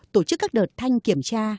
tổ chức các đợt thanh kiểm tra